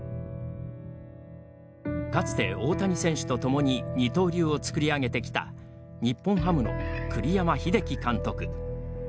かつて、大谷選手と共に二刀流を作り上げてきた日本ハムの栗山英樹監督。